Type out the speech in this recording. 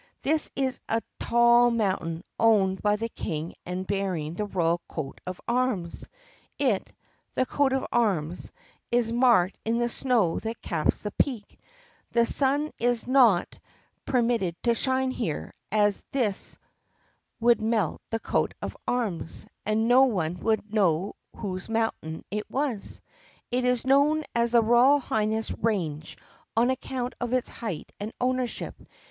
This is a tall mountain owned by the King and bearing the royal coat of arms. It — the coat of arms — is marked in the snow that caps the peak. The sun is not per 48 THE PUSSYCAT PRINCESS mitted to shine here as this would melt the coat of arms and no one would know whose mountain this was. It is known as the Royal Highness Range, on account of its height and ownership.